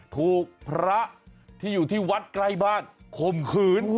ถูกพระที่อยู่ที่วัดใกล้บ้านข่มขืน